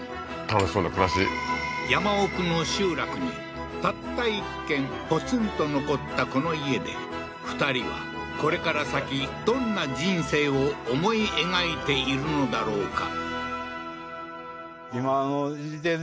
楽しそうな暮らし山奥の集落にたった一軒ポツンと残ったこの家で２人はこれから先どんな人生を思い描いているのだろうか？